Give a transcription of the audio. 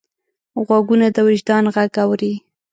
غوږونه د وجدان غږ اوري